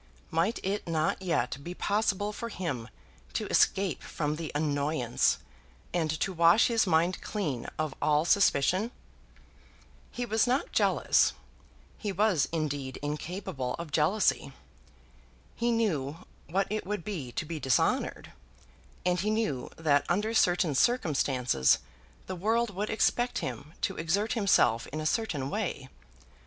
Might it not yet be possible for him to escape from the annoyance, and to wash his mind clean of all suspicion? He was not jealous; he was indeed incapable of jealousy. He knew what it would be to be dishonoured, and he knew that under certain circumstances the world would expect him to exert himself in a certain way.